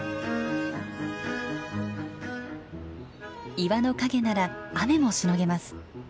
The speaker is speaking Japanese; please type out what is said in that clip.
岩の陰なら雨もしのげます。